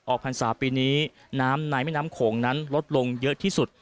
พรรษาปีนี้น้ำในแม่น้ำโขงนั้นลดลงเยอะที่สุด